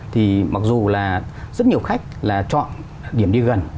thì mặc dù là rất nhiều khách là chọn điểm đi gần